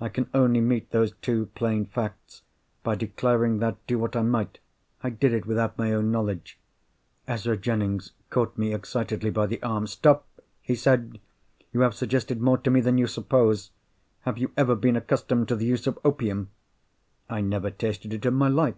I can only meet those two plain facts by declaring that, do what I might, I did it without my own knowledge——" Ezra Jennings caught me excitedly by the arm. "Stop!" he said. "You have suggested more to me than you suppose. Have you ever been accustomed to the use of opium?" "I never tasted it in my life."